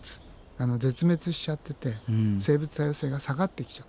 あの絶滅しちゃってて生物多様性が下がってきちゃってる。